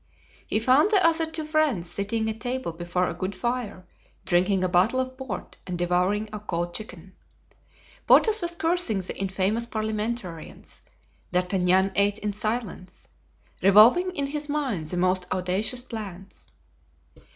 He found the other two friends sitting at table before a good fire, drinking a bottle of port and devouring a cold chicken. Porthos was cursing the infamous parliamentarians; D'Artagnan ate in silence, revolving in his mind the most audacious plans.